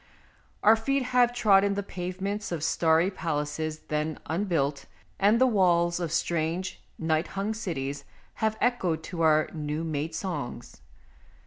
Our feet have trodden the pavements of starry palaces then unbuilt, and the walls of strange, 107 108 MONOLOGUES night hung cities have echoed to our new made songs.